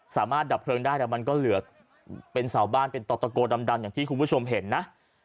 ดับเพลิงได้แต่มันก็เหลือเป็นเสาบ้านเป็นต่อตะโกดำอย่างที่คุณผู้ชมเห็นนะ